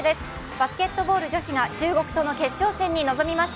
バスケットボール女子が中国との決勝戦に臨みます。